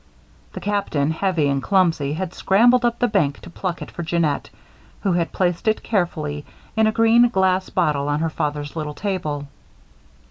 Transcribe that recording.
The Captain, heavy and clumsy, had scrambled up the bank to pluck it for Jeannette, who had placed it carefully in a green glass bottle on her father's little table.